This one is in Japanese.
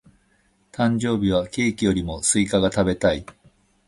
誕生日はケーキよりもスイカが食べたい。